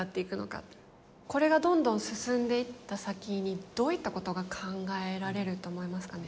これがどんどん進んでいった先にどういったことが考えられると思いますかね。